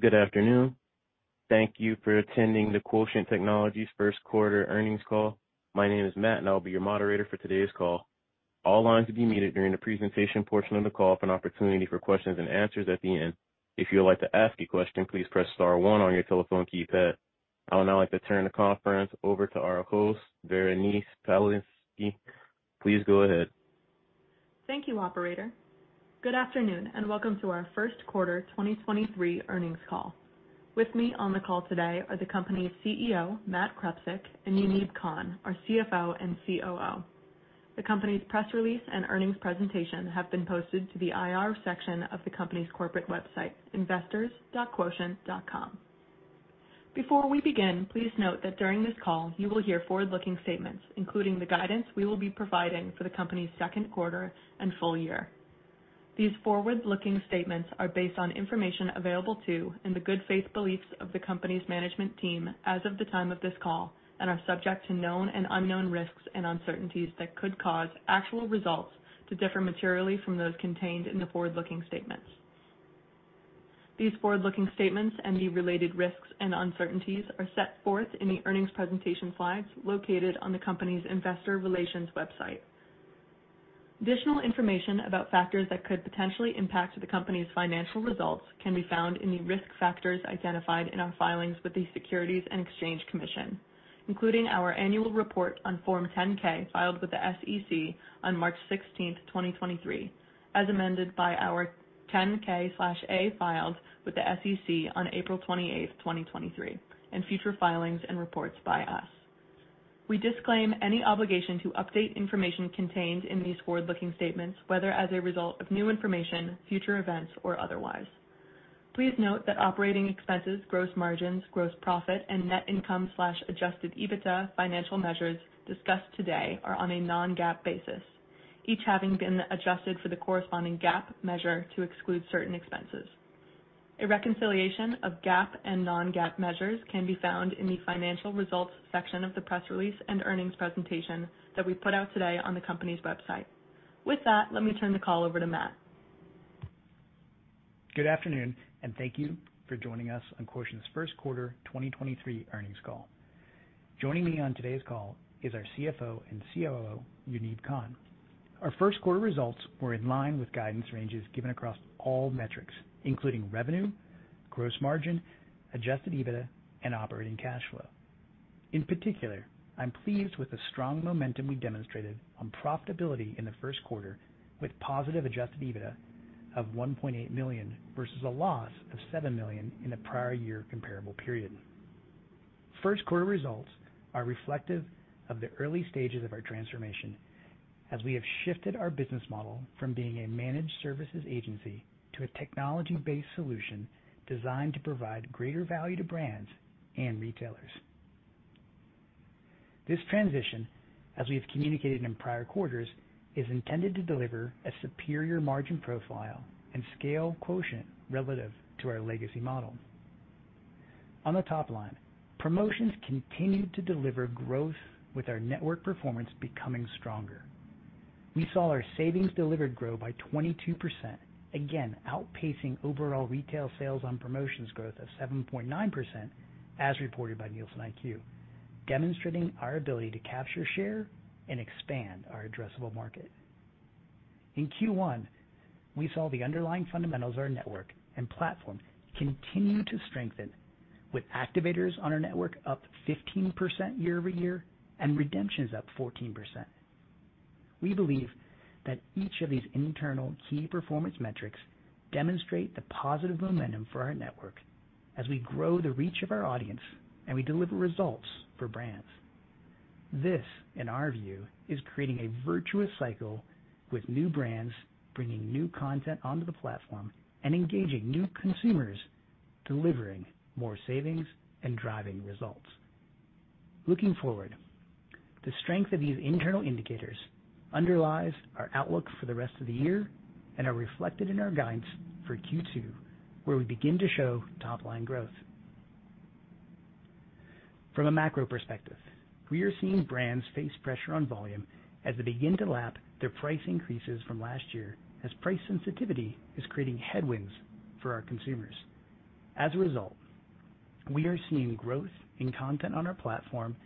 Good afternoon. Thank you for attending the Quotient Technology first quarter earnings call. My name is Matt, and I'll be your moderator for today's call. All lines will be muted during the presentation portion of the call for an opportunity for questions and answers at the end. If you would like to ask a question, please press star one on your telephone keypad. I would now like to turn the conference over to our host, [Verenice Palinski]. Please go ahead. Thank you, operator. Good afternoon, welcome to our first quarter 2023 earnings call. With me on the call today are the company's CEO, Matt Krepsic, and Yuneeb Khan, our CFO and COO. The company's press release and earnings presentation have been posted to the IR section of the company's corporate website, investors.quotient.com. Before we begin, please note that during this call, you will hear forward-looking statements, including the guidance we will be providing for the company's second quarter and full year. These forward-looking statements are based on information available to and the good faith beliefs of the company's management team as of the time of this call and are subject to known and unknown risks and uncertainties that could cause actual results to differ materially from those contained in the forward-looking statements. These forward-looking statements and the related risks and uncertainties are set forth in the earnings presentation slides located on the company's Investor Relations website. Additional information about factors that could potentially impact the company's financial results can be found in the risk factors identified in our filings with the Securities and Exchange Commission, including our annual report on Form 10-K filed with the SEC on March 16, 2023, as amended by our 10-K/A filed with the SEC on April 28, 2023, and future filings and reports by us. We disclaim any obligation to update information contained in these forward-looking statements, whether as a result of new information, future events, or otherwise. Please note that operating expenses, gross margins, gross profit, and net income slash adjusted EBITDA financial measures discussed today are on a non-GAAP basis, each having been adjusted for the corresponding GAAP measure to exclude certain expenses. A reconciliation of GAAP and non-GAAP measures can be found in the financial results section of the press release and earnings presentation that we put out today on the company's website. With that, let me turn the call over to Matt. Good afternoon, and thank you for joining us on Quotient's first quarter 2023 earnings call. Joining me on today's call is our CFO and COO, Yuneeb Khan. Our first quarter results were in line with guidance ranges given across all metrics, including revenue, gross margin, adjusted EBITDA, and operating cash flow. In particular, I'm pleased with the strong momentum we demonstrated on profitability in the first quarter with positive adjusted EBITDA of $1.8 million versus a loss of $7 million in the prior year comparable period. First quarter results are reflective of the early stages of our transformation as we have shifted our business model from being a managed services agency to a technology-based solution designed to provide greater value to brands and retailers. This transition, as we have communicated in prior quarters, is intended to deliver a superior margin profile and scale Quotient relative to our legacy model. On the top line, promotions continued to deliver growth with our network performance becoming stronger. We saw our savings delivered grow by 22%, again, outpacing overall retail sales on promotions growth of 7.9% as reported by NielsenIQ, demonstrating our ability to capture share and expand our addressable market. In Q1, we saw the underlying fundamentals of our network and platform continue to strengthen with activators on our network up 15% year-over-year and redemptions up 14%. We believe that each of these internal key performance metrics demonstrate the positive momentum for our network as we grow the reach of our audience and we deliver results for brands. This, in our view, is creating a virtuous cycle with new brands, bringing new content onto the platform and engaging new consumers, delivering more savings and driving results. Looking forward, the strength of these internal indicators underlies our outlook for the rest of the year and are reflected in our guidance for Q2, where we begin to show top-line growth. From a macro perspective, we are seeing brands face pressure on volume as they begin to lap their price increases from last year as price sensitivity is creating headwinds for our consumers. As a result, we are seeing growth in content on our platform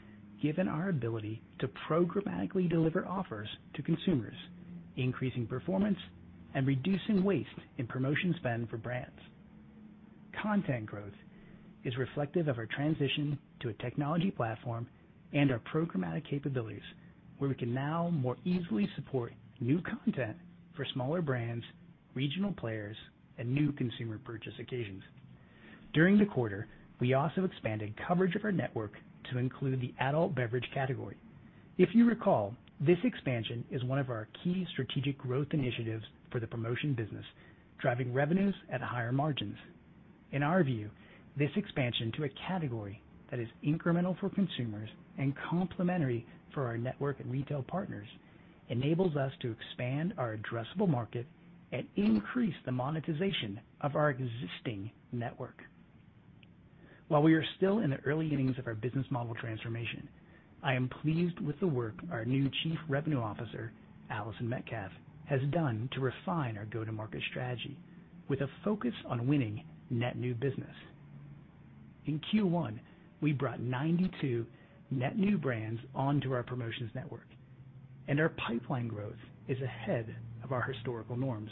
given our ability to programmatically deliver offers to consumers, increasing performance and reducing waste in promotion spend for brands. Content growth is reflective of our transition to a technology platform and our programmatic capabilities, where we can now more easily support new content for smaller brands, regional players, and new consumer purchase occasions. During the quarter, we also expanded coverage of our network to include the adult beverage category. If you recall, this expansion is one of our key strategic growth initiatives for the promotion business, driving revenues at higher margins. In our view, this expansion to a category that is incremental for consumers and complementary for our network and retail partners enables us to expand our addressable market and increase the monetization of our existing network. While we are still in the early innings of our business model transformation, I am pleased with the work our new Chief Revenue Officer, Allison Metcalf, has done to refine our go-to-market strategy with a focus on winning net new business. In Q1, we brought 92 net new brands onto our promotions network. Our pipeline growth is ahead of our historical norms,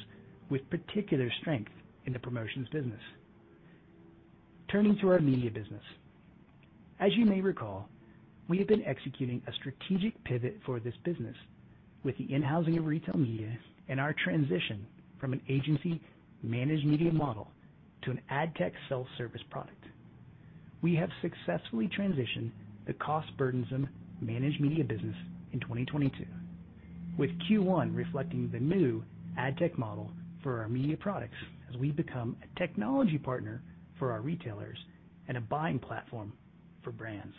with particular strength in the promotions business. Turning to our media business. As you may recall, we have been executing a strategic pivot for this business with the in-housing of retail media and our transition from an agency-managed media model to an ad tech self-service product. We have successfully transitioned the cost-burdensome managed media business in 2022, with Q1 reflecting the new ad tech model for our media products as we become a technology partner for our retailers and a buying platform for brands.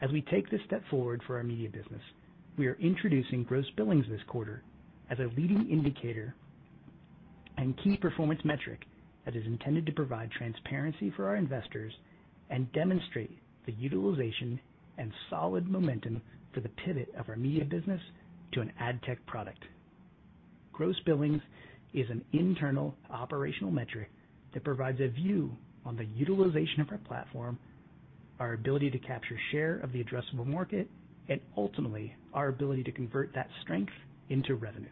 As we take this step forward for our media business, we are introducing gross billings this quarter as a leading indicator and key performance metric that is intended to provide transparency for our investors and demonstrate the utilization and solid momentum for the pivot of our media business to an ad tech product. Gross billings is an internal operational metric that provides a view on the utilization of our platform, our ability to capture share of the addressable market, and ultimately, our ability to convert that strength into revenue.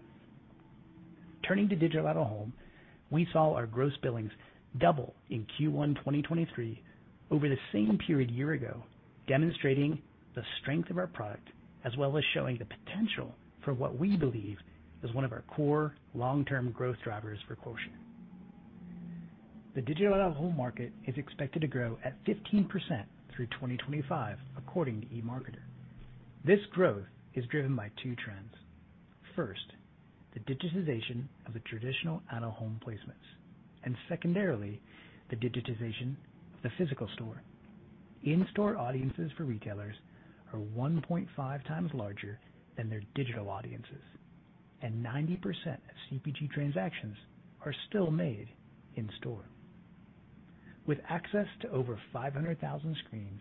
Turning to Digital Out-of-Home, we saw our gross billings double in Q1, 2023 over the same period year ago, demonstrating the strength of our product, as well as showing the potential for what we believe is one of our core long-term growth drivers for Quotient. The Digital Out-of-Home market is expected to grow at 15% through 2025, according to eMarketer. This growth is driven by two trends. First, the digitization of the traditional out-of-home placements, secondarily, the digitization of the physical store. In-store audiences for retailers are 1.5x larger than their digital audiences, 90% of CPG transactions are still made in store. With access to over 500,000 screens,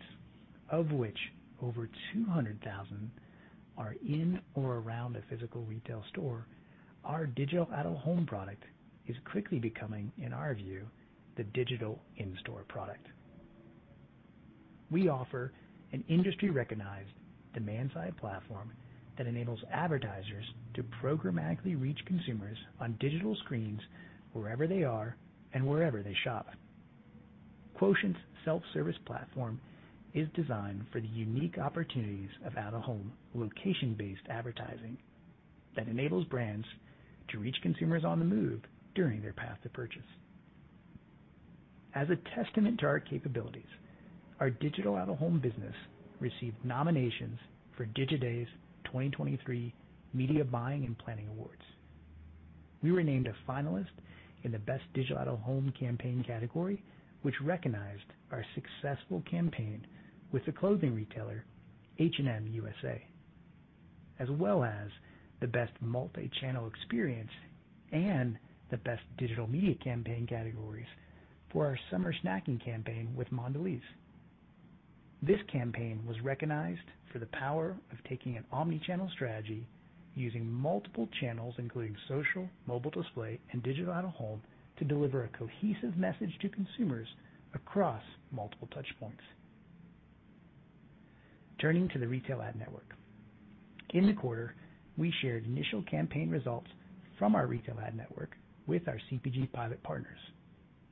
of which over 200,000 are in or around a physical retail store, our Digital Out-of-Home product is quickly becoming, in our view, the digital in-store product. We offer an industry-recognized demand-side platform that enables advertisers to programmatically reach consumers on digital screens wherever they are and wherever they shop. Quotient's self-service platform is designed for the unique opportunities of out-of-home location-based advertising that enables brands to reach consumers on the move during their path to purchase. As a testament to our capabilities, our Digital Out-of-Home business received nominations for Digiday's 2023 Media Buying and Planning Awards. We were named a finalist in the Best Digital Out-of-Home Campaign category, which recognized our successful campaign with the clothing retailer H&M USA, as well as the best multi-channel experience and the best digital media campaign categories for our summer snacking campaign with Mondelēz. This campaign was recognized for the power of taking an omnichannel strategy using multiple channels, including social, mobile display, and Digital Out-of-Home, to deliver a cohesive message to consumers across multiple touch points. Turning to the Retail Ad Network. In the quarter, we shared initial campaign results from our Retail Ad Network with our CPG pilot partners.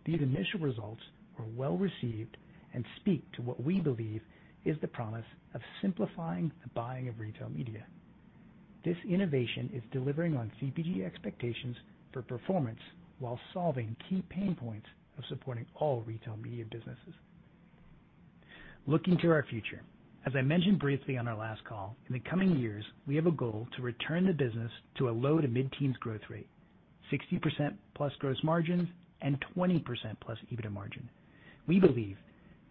These initial results were well received and speak to what we believe is the promise of simplifying the buying of retail media. This innovation is delivering on CPG expectations for performance while solving key pain points of supporting all retail media businesses. Looking to our future, as I mentioned briefly on our last call, in the coming years, we have a goal to return the business to a low-to-mid-teens growth rate, 60%+ gross margins, and 20%+ EBITDA margin. We believe,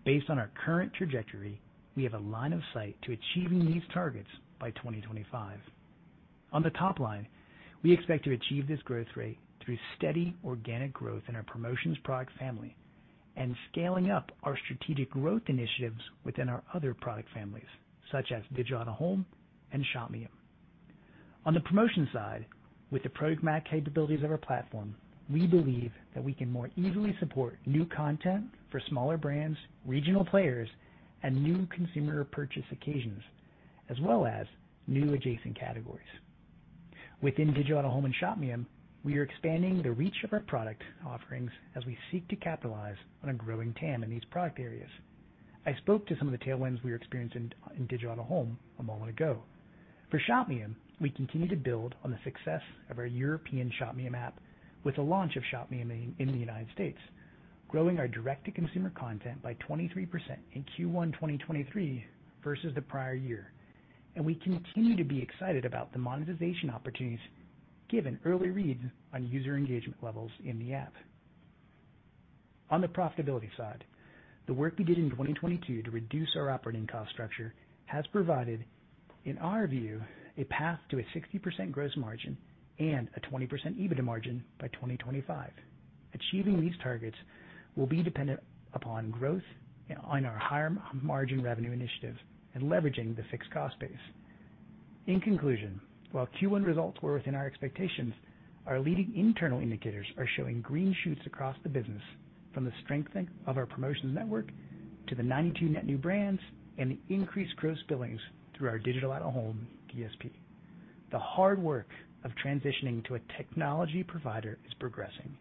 based on our current trajectory, we have a line of sight to achieving these targets by 2025. On the top line, we expect to achieve this growth rate through steady organic growth in our promotions product family and scaling up our strategic growth initiatives within our other product families, such as Digital Out-of-Home and Shopmium. On the promotion side, with the programmatic capabilities of our platform, we believe that we can more easily support new content for smaller brands, regional players, and new consumer purchase occasions, as well as new adjacent categories. Within Digital Out-of-Home and Shopmium, we are expanding the reach of our product offerings as we seek to capitalize on a growing TAM in these product areas. I spoke to some of the tailwinds we are experiencing in Digital Out-of-Home a moment ago. For Shopmium, we continue to build on the success of our European Shopmium app with the launch of Shopmium in the United States, growing our direct-to-consumer content by 23% in Q1 2023 versus the prior year. We continue to be excited about the monetization opportunities given early reads on user engagement levels in the app. On the profitability side. The work we did in 2022 to reduce our operating cost structure has provided, in our view, a path to a 60% gross margin and a 20% EBITDA margin by 2025. Achieving these targets will be dependent upon growth on our higher margin revenue initiatives and leveraging the fixed cost base. In conclusion, while Q1 results were within our expectations, our leading internal indicators are showing green shoots across the business, from the strengthening of our promotions network to the 92 net new brands and the increased gross billings through our Digital Out-of-Home DSP. The hard work of transitioning to a technology provider is progressing,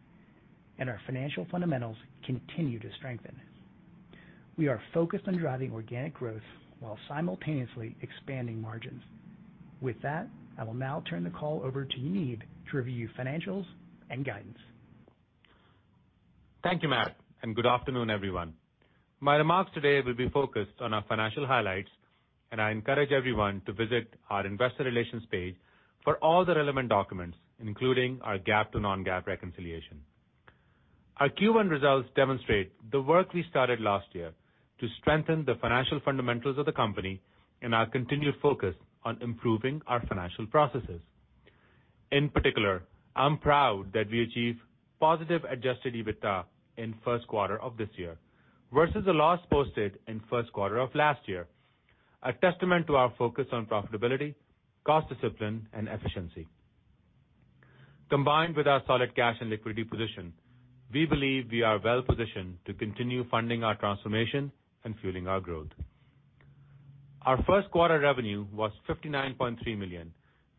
and our financial fundamentals continue to strengthen. We are focused on driving organic growth while simultaneously expanding margins. I will now turn the call over to Yuneeb to review financials and guidance. Thank you, Matt, and good afternoon, everyone. My remarks today will be focused on our financial highlights. I encourage everyone to visit our Investor Relations page for all the relevant documents, including our GAAP to non-GAAP reconciliation. Our Q1 results demonstrate the work we started last year to strengthen the financial fundamentals of the company and our continued focus on improving our financial processes. In particular, I'm proud that we achieved positive adjusted EBITDA in first quarter of this year versus a loss posted in first quarter of last year, a testament to our focus on profitability, cost discipline, and efficiency. Combined with our solid cash and liquidity position, we believe we are well-positioned to continue funding our transformation and fueling our growth. Our first quarter revenue was $59.3 million,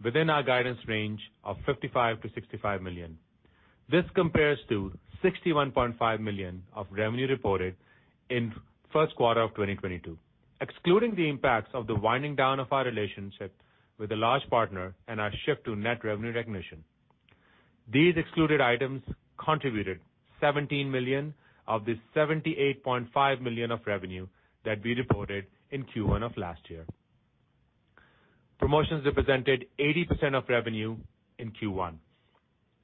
within our guidance range of $55 million-$65 million. This compares to $61.5 million of revenue reported in first quarter of 2022. Excluding the impacts of the winding down of our relationship with a large partner and our shift to net revenue recognition, these excluded items contributed $17 million of the $78.5 million of revenue that we reported in Q1 of last year. Promotions represented 80% of revenue in Q1.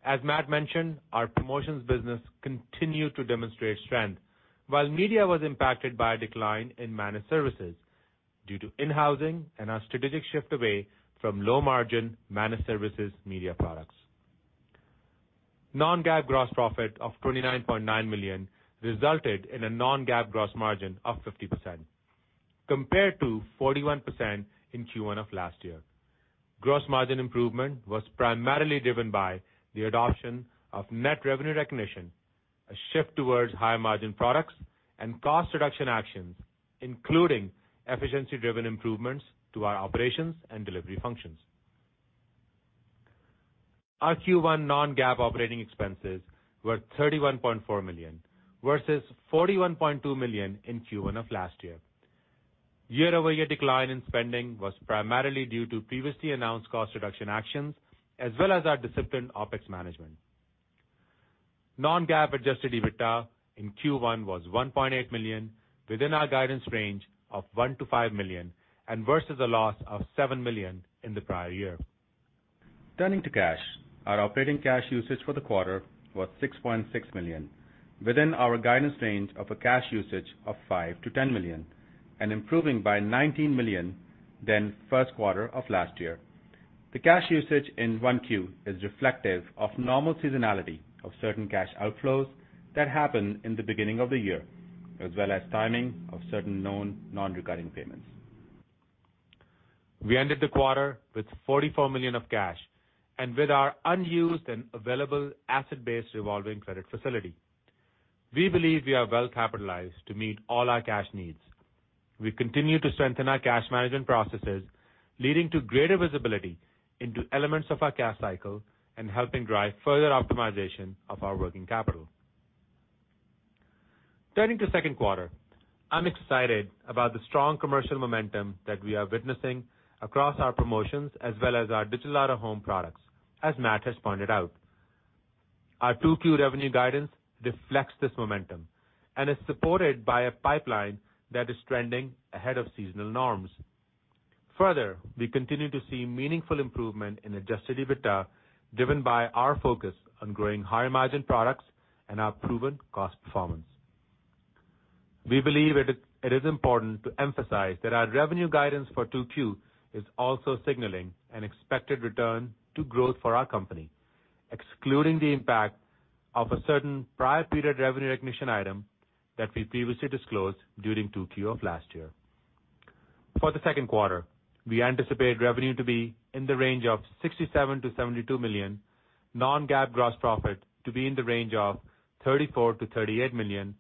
As Matt mentioned, our promotions business continued to demonstrate strength while media was impacted by a decline in managed services due to in-housing and our strategic shift away from low-margin managed services media products. Non-GAAP gross profit of $29.9 million resulted in a non-GAAP gross margin of 50% compared to 41% in Q1 of last year. Gross margin improvement was primarily driven by the adoption of net revenue recognition, a shift towards higher-margin products, and cost reduction actions, including efficiency-driven improvements to our operations and delivery functions. Our Q1 non-GAAP operating expenses were $31.4 million versus $41.2 million in Q1 of last year. Year-over-year decline in spending was primarily due to previously announced cost reduction actions as well as our disciplined OpEx management. Non-GAAP adjusted EBITDA in Q1 was $1.8 million within our guidance range of $1 million-$5 million and versus a loss of $7 million in the prior year. Turning to cash, our operating cash usage for the quarter was $6.6 million within our guidance range of a cash usage of $5 million-$10 million and improving by $19 million than first quarter of last year. The cash usage in 1Q is reflective of normal seasonality of certain cash outflows that happen in the beginning of the year as well as timing of certain known non-recurring payments. We ended the quarter with $44 million of cash and with our unused and available asset-based revolving credit facility. We believe we are well capitalized to meet all our cash needs. We continue to strengthen our cash management processes, leading to greater visibility into elements of our cash cycle and helping drive further optimization of our working capital. Turning to second quarter, I'm excited about the strong commercial momentum that we are witnessing across our promotions as well as our Digital Out-of-Home products, as Matt has pointed out. Our 2Q revenue guidance reflects this momentum and is supported by a pipeline that is trending ahead of seasonal norms. Further, we continue to see meaningful improvement in adjusted EBITDA, driven by our focus on growing higher-margin products and our proven cost performance. We believe it is important to emphasize that our revenue guidance for 2Q is also signaling an expected return to growth for our company, excluding the impact of a certain prior period revenue recognition item that we previously disclosed during 2Q of last year. For the second quarter, we anticipate revenue to be in the range of $67 million-$72 million, non-GAAP gross profit to be in the range of $34 million-$38 million,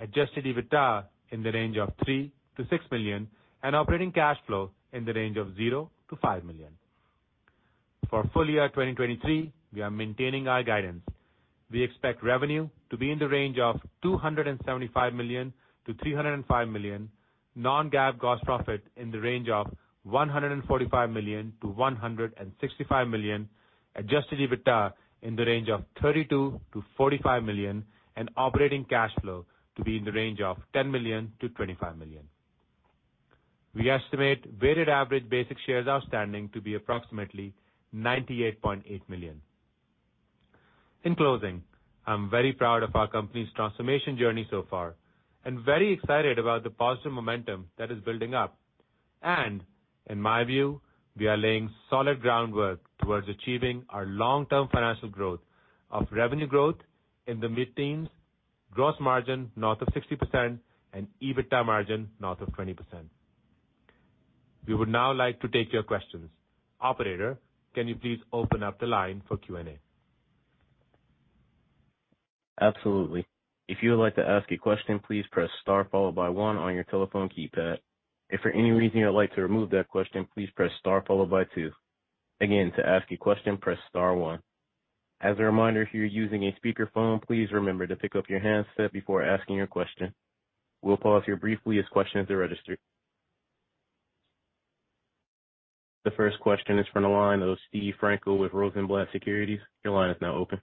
adjusted EBITDA in the range of $3 million-$6 million, and operating cash flow in the range of $0-$5 million. For full year 2023, we are maintaining our guidance. We expect revenue to be in the range of $275 million-$305 million, non-GAAP gross profit in the range of $145 million-$165 million, adjusted EBITDA in the range of $32 million-$45 million, and operating cash flow to be in the range of $10 million-$25 million. We estimate weighted average basic shares outstanding to be approximately 98.8 million. In closing, I'm very proud of our company's transformation journey so far and very excited about the positive momentum that is building up. In my view, we are laying solid groundwork towards achieving our long-term financial growth of revenue growth in the mid-teens, gross margin north of 60% and EBITDA margin north of 20%. We would now like to take your questions. Operator, can you please open up the line for Q&A? Absolutely. If you would like to ask a question, please press star followed by one on your telephone keypad. If for any reason you'd like to remove that question, please press star followed by two. Again, to ask a question, press star one. As a reminder, if you're using a speaker phone, please remember to pick up your handset before asking your question. We'll pause here briefly as questions are registered. The first question is from the line of Steve Frankel with Rosenblatt Securities. Your line is now open.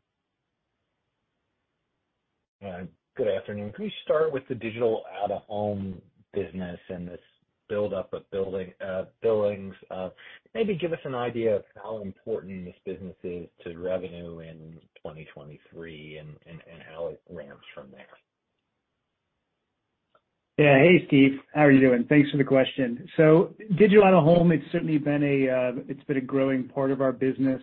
Good afternoon. Can you start with the Digital Out-of-Home business and this buildup of billings? Maybe give us an idea of how important this business is to revenue in 2023 and how it ramps from there. Yeah. Hey, Steve, how are you doing? Thanks for the question. Digital Out-of-Home, it's certainly been a, it's been a growing part of our business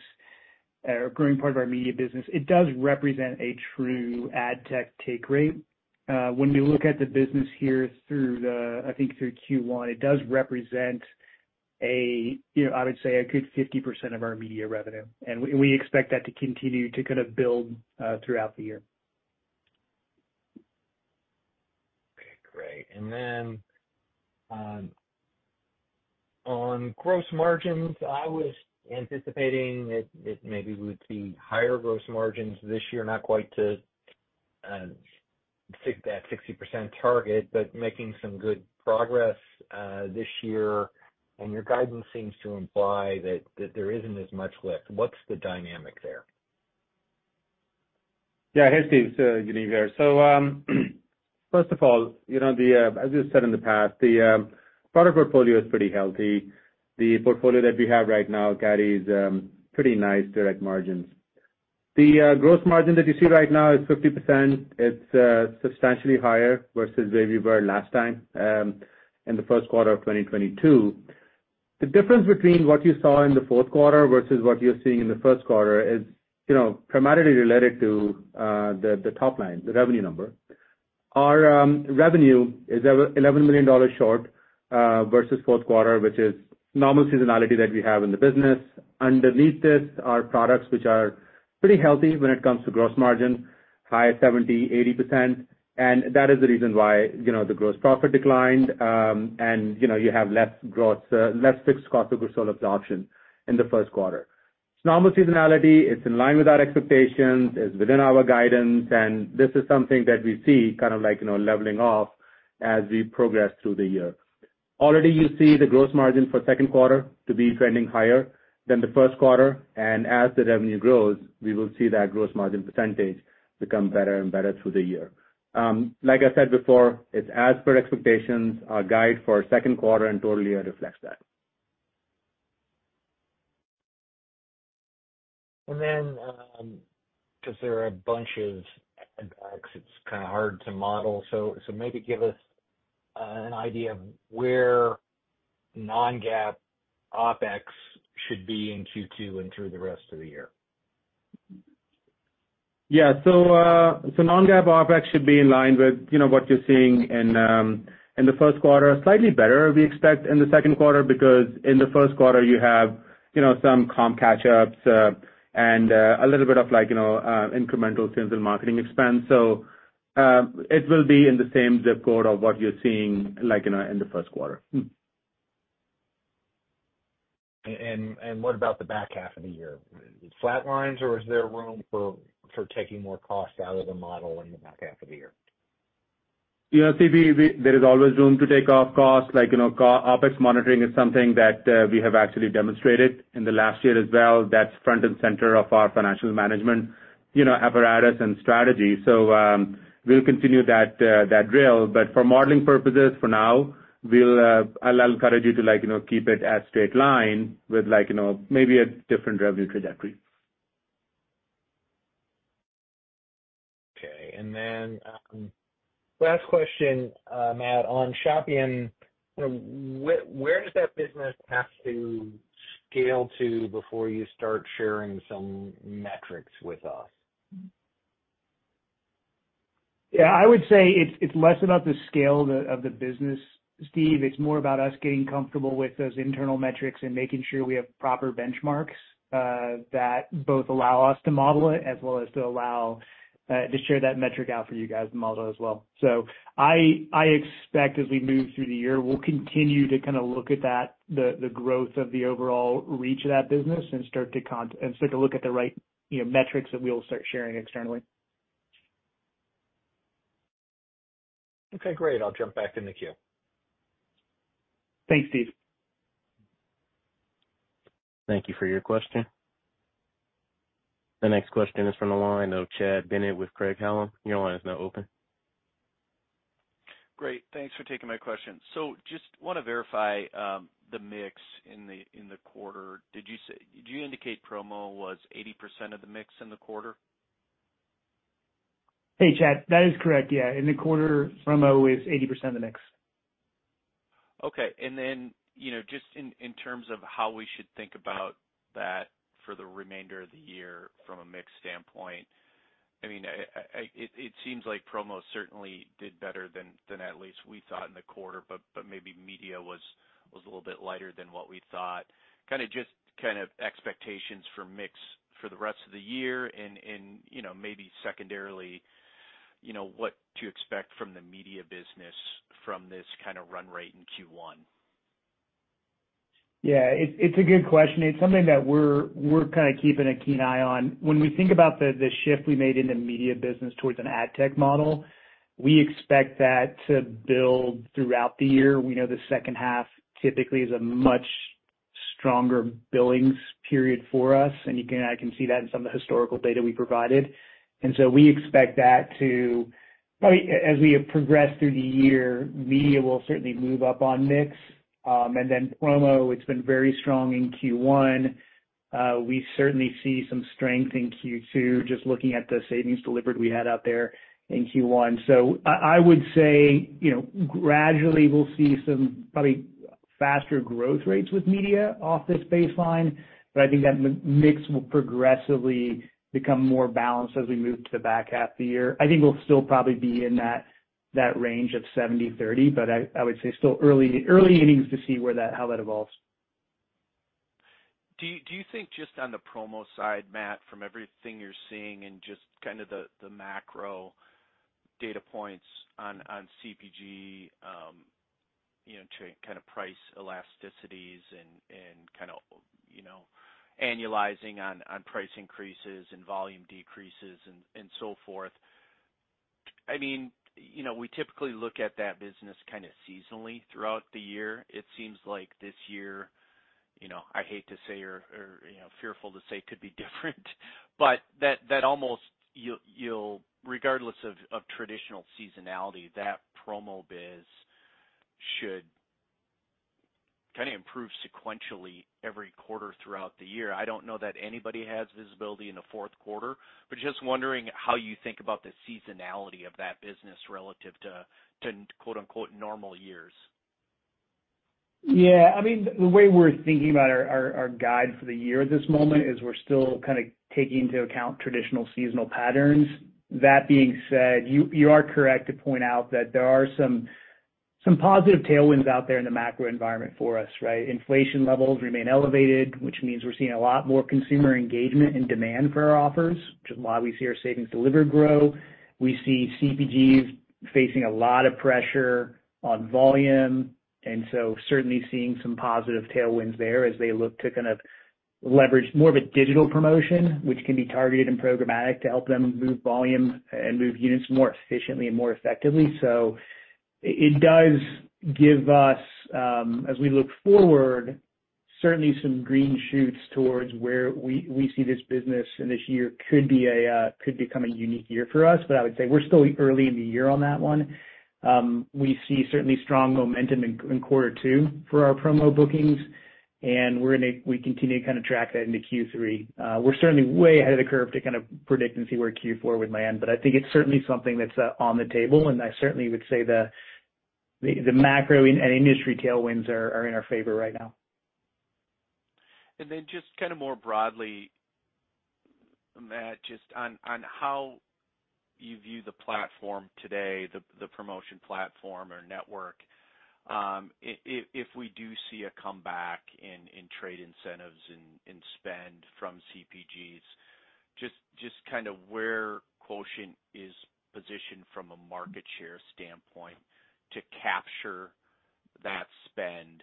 or a growing part of our media business. It does represent a true ad tech take rate. When we look at the business here through the, I think through Q1, it does represent a, you know, I would say a good 50% of our media revenue, and we expect that to continue to kind of build throughout the year. Okay, great. On gross margins, I was anticipating it maybe would be higher gross margins this year, not quite to that 60% target, but making some good progress, this year. Your guidance seems to imply that there isn't as much lift. What's the dynamic there? Yeah. Hey, Steve. Yuneeb here. First of all, you know, the… As we've said in the past, the product portfolio is pretty healthy. The portfolio that we have right now carries pretty nice direct margins. The gross margin that you see right now is 50%. It's substantially higher versus where we were last time in the first quarter of 2022. The difference between what you saw in the fourth quarter versus what you're seeing in the first quarter is, you know, primarily related to the top line, the revenue number. Our revenue is $11 million short versus fourth quarter, which is normal seasonality that we have in the business. Underneath this are products which are pretty healthy when it comes to gross margin, high 70%, 80%. That is the reason why, you know, the gross profit declined, and, you know, you have less gross, less fixed cost of goods sold absorption in the first quarter. It's normal seasonality. It's in line with our expectations. It's within our guidance. This is something that we see kind of like, you know, leveling off as we progress through the year. Already you see the gross margin for second quarter to be trending higher than the first quarter, and as the revenue grows, we will see that gross margin percentage become better and better through the year. Like I said before, it's as per expectations, our guide for second quarter and total year reflects that. Because there are a bunch of CapEx, it's kind of hard to model. maybe give us an idea of where non-GAAP OpEx should be in Q2 and through the rest of the year. Yeah. so non-GAAP OpEx should be in line with, you know, what you're seeing in the first quarter. Slightly better, we expect in the second quarter, because in the first quarter you have, you know, some comp catch-ups, and a little bit of like, you know, incremental sales and marketing expense. It will be in the same zip code of what you're seeing, like, you know, in the first quarter. What about the back half of the year? Flat lines or is there room for taking more costs out of the model in the back half of the year? You know, Steve, There is always room to take off costs. Like, you know, OpEx monitoring is something that we have actually demonstrated in the last year as well. That's front and center of our financial management, you know, apparatus and strategy. We'll continue that drill. For modeling purposes for now we'll, I'll encourage you to, like, you know, keep it as straight line with like, you know, maybe a different revenue trajectory. Okay. Last question, Matt. On Shopmium, you know, where does that business have to scale to before you start sharing some metrics with us? I would say it's less about the scale of the business, Steve. It's more about us getting comfortable with those internal metrics and making sure we have proper benchmarks that both allow us to model it as well as to allow to share that metric out for you guys to model as well. I expect as we move through the year, we'll continue to kind of look at that, the growth of the overall reach of that business and start to look at the right, you know, metrics that we'll start sharing externally. Okay, great. I'll jump back in the queue. Thanks, Steve. Thank you for your question. The next question is from the line of Chad Bennett with Craig-Hallum. Your line is now open. Great. Thanks for taking my question. Just wanna verify, the mix in the, in the quarter. Did you indicate promo was 80% of the mix in the quarter? Hey, Chad. That is correct. Yeah. In the quarter, promo is 80% of the mix. Okay. Then, you know, just in terms of how we should think about that for the remainder of the year from a mix standpoint, I mean, it seems like promo certainly did better than at least we thought in the quarter, but maybe media was a little bit lighter than what we thought. Kind of expectations for mix for the rest of the year and, you know, maybe secondarily, you know, what to expect from the media business from this kind of run rate in Q1? Yeah. It's a good question. It's something that we're kinda keeping a keen eye on. When we think about the shift we made in the media business towards an ad tech model, we expect that to build throughout the year. We know the second half typically is a much stronger billings period for us, I can see that in some of the historical data we provided. We expect that to probably as we have progressed through the year, media will certainly move up on mix. Promo, it's been very strong in Q1. We certainly see some strength in Q2, just looking at the savings delivered we had out there in Q1. I would say, you know, gradually we'll see some probably faster growth rates with media off this baseline, but I think that mix will progressively become more balanced as we move to the back half of the year. I think we'll still probably be in that range of 70/30, but I would say still early innings to see how that evolves. Do you think just on the promo side, Matt, from everything you're seeing and just kind of the macro data points on CPG, you know, to kind of price elasticities and kind of, you know, annualizing on price increases and volume decreases and so forth? I mean, you know, we typically look at that business kind of seasonally throughout the year. It seems like this year, you know, I hate to say or, you know, fearful to say could be different, but that almost you'll, regardless of traditional seasonality, that promo biz should kind of improve sequentially every quarter throughout the year. I don't know that anybody has visibility in the fourth quarter, but just wondering how you think about the seasonality of that business relative to, quote-unquote, normal years? I mean, the way we're thinking about our guide for the year at this moment is we're still kind of taking into account traditional seasonal patterns. That being said, you are correct to point out that there are some positive tailwinds out there in the macro environment for us, right? Inflation levels remain elevated, which means we're seeing a lot more consumer engagement and demand for our offers, which is why we see our savings delivered grow. We see CPGs facing a lot of pressure on volume, certainly seeing some positive tailwinds there as they look to kind of leverage more of a digital promotion, which can be targeted and programmatic to help them move volume and move units more efficiently and more effectively. It does give us, as we look forward, certainly some green shoots towards where we see this business and this year could be a could become a unique year for us. I would say we're still early in the year on that one. We see certainly strong momentum in quarter two for our promo bookings, and we continue to kinda track that into Q3. We're certainly way ahead of the curve to kind of predict and see where Q4 would land, but I think it's certainly something that's on the table, and I certainly would say the macro and industry tailwinds are in our favor right now. Just kinda more broadly, Matt, just on how you view the platform today, the promotion platform or network, if we do see a comeback in trade incentives and spend from CPGs, just kinda where Quotient is positioned from a market share standpoint to capture that spend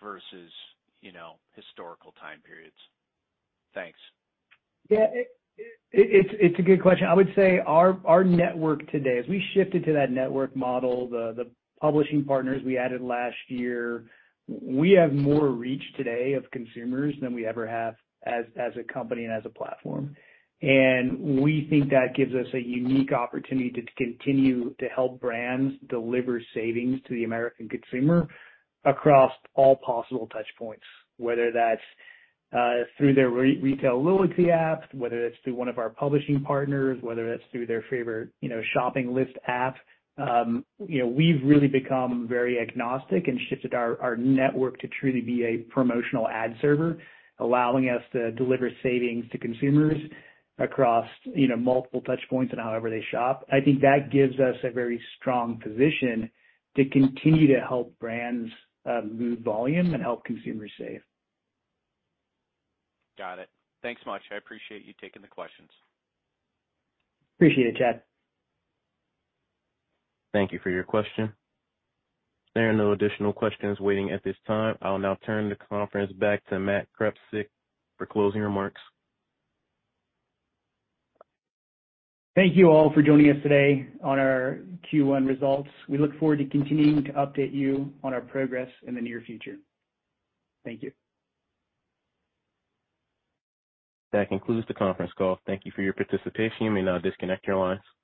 versus, you know, historical time periods? Thanks. Yeah. It's a good question. I would say our network today, as we shifted to that network model, the publishing partners we added last year, we have more reach today of consumers than we ever have as a company and as a platform. We think that gives us a unique opportunity to continue to help brands deliver savings to the American consumer across all possible touch points, whether that's through their retail loyalty apps, whether it's through one of our publishing partners, whether that's through their favorite, you know, shopping list app. You know, we've really become very agnostic and shifted our network to truly be a promotional ad server, allowing us to deliver savings to consumers across, you know, multiple touch points and however they shop. I think that gives us a very strong position to continue to help brands, move volume and help consumers save. Got it. Thanks much. I appreciate you taking the questions. Appreciate it, Chad. Thank you for your question. There are no additional questions waiting at this time. I'll now turn the conference back to Matt Krepsic for closing remarks. Thank you all for joining us today on our Q1 results. We look forward to continuing to update you on our progress in the near future. Thank you. That concludes the conference call. Thank you for your participation. You may now disconnect your lines.